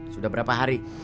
sudah berapa hari